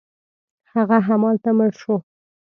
هغه همالته مړ شو.